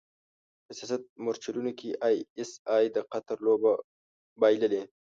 په سیاست مورچلونو کې ای ایس ای د قطر لوبه بایللې.